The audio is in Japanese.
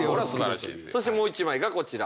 そしてもう１枚がこちら。